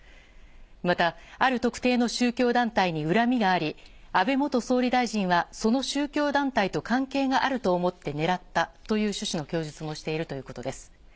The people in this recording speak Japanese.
また、ある特定の宗教団体に恨みがあり、安倍元総理大臣はその宗教団体と関係があると思って狙ったという趣旨の供述をしているということです。